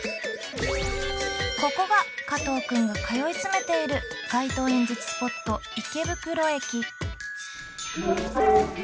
ここが加藤くんが通い詰めている街頭演説スポット池袋駅。